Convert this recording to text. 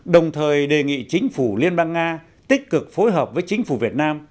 đồng thời đề nghị chính phủ liên bang nga tích cực phối hợp với chính phủ việt nam